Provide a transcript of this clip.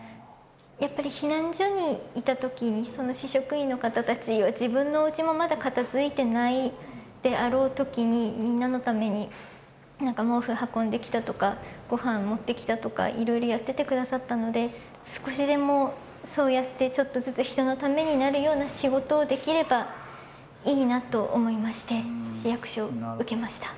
やっぱり避難所にいた時に市職員の方たちは自分のおうちもまだ片づいてないであろう時にみんなのために毛布運んできたとかごはん持ってきたとかいろいろやってて下さったので少しでもそうやってちょっとずつ人のためになるような仕事をできればいいなと思いまして市役所を受けました。